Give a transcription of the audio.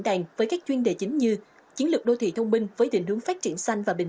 đàn với các chuyên đề chính như chiến lược đô thị thông minh với định hướng phát triển xanh và bình